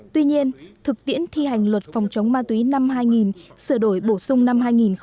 tuy nhiên thực tiễn thi hành luật phòng chống ma túy năm hai nghìn sửa đổi bổ sung năm hai nghìn tám